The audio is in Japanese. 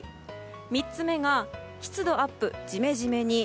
３つ目が湿度アップ、ジメジメに。